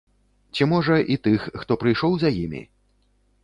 Ці, можа, і тых, хто прыйшоў за імі?